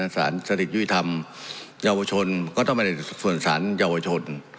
สารสถิตยุติธรรมเยาวชนก็ต้องไปในส่วนสารเยาวชน